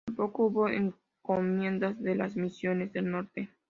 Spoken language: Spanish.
Tampoco hubo encomiendas en las misiones del norte.